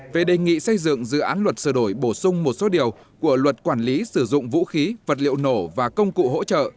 về đề nghị xây dựng dự án luật sửa đổi bổ sung một số điều của luật quản lý sử dụng vũ khí vật liệu nổ và công cụ hỗ trợ